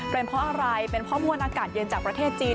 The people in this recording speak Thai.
เป็นเพราะอะไรเป็นเพราะมวลอากาศเย็นจากประเทศจีน